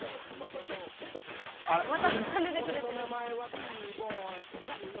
また出てくれてる。